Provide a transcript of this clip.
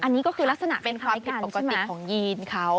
อันนี้ก็คือลักษณะเป็นความผิดปกติของยีนเขา